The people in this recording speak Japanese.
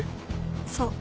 そう。